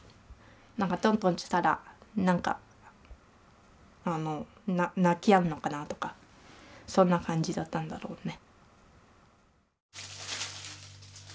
何かトントンしたら何かあの泣きやむのかなとかそんな感じだったんだろうね。